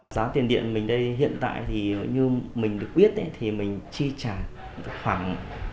giá tiền điện mình đây hiện tại thì như mình được biết thì mình chi trả khoảng